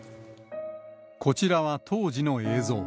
こちらは当時の映像。